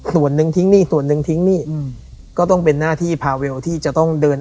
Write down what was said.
ส่วนหนึ่งทิ้งหนี้ส่วนหนึ่งทิ้งหนี้ก็ต้องเป็นหน้าที่พาเวลที่จะต้องเดิน